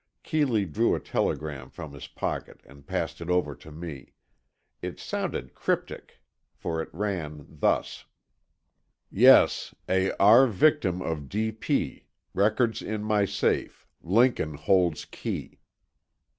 Keeley drew a telegram from his pocket and passed it over to me. It sounded cryptic, for it ran thus: YES A R VICTIM OF D P RECORDS IN MY SAFE LINCOLN HOLDS KEY.